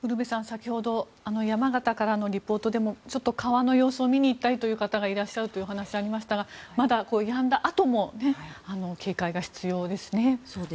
先ほど、山形からのリポートでもちょっと川の様子を見に行ったりという方がいらっしゃるというお話がありましたがまだ、やんだあとも警戒が必要ですね。